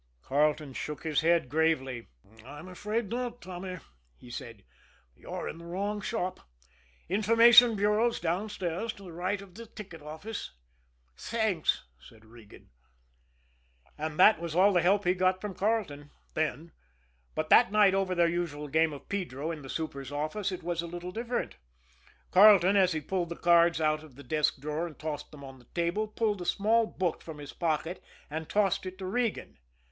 Carleton shook his head gravely. "I'm afraid not, Tommy," he said. "You're in the wrong shop. Information bureau's downstairs to the right of the ticket office." "Thanks!" said Regan. And that was all the help he got from Carleton then. But that night over their usual game of pedro in the super's office, it was a little different. Carleton, as he pulled the cards out of the desk drawer and tossed them on the table, pulled a small book from his pocket and tossed it to Regan.